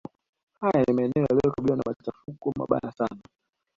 Haya ni maeneo yanayokabiliwa na macahafuko mabaya sana